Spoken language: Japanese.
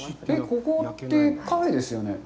ここってカフェですよね？